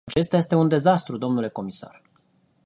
Acesta este un dezastru, domnule comisar!